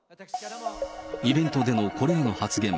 イベントでのこれらの発言。